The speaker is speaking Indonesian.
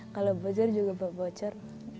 kalau bocor juga bawa bocor